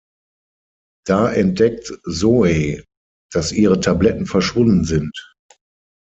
Da entdeckt Zoey, dass ihre Tabletten verschwunden sind.